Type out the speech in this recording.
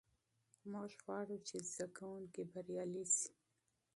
موږ غواړو چې زده کوونکي بریالي سي.